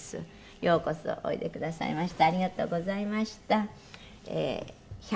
ようこそおいでくださいました。